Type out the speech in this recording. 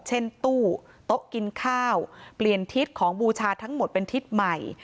เช่นตู้โต๊ะกินข้าวเปลี่ยนทิศของบูชาทั้งหมดเป็นทิศใหม่